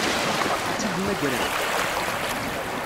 Ad tt-id-mmagrent?